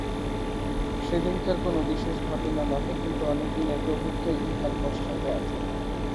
সেদিনকার কোনো বিশেষ ঘটনা নহে, কিন্তু অনেক দিনের প্রভুত্ব ইহার পশ্চাতে আছে।